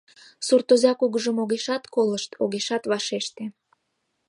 Суртоза кугыжым огешат колышт, огешат вашеште.